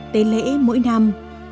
tới lễ mỗi năm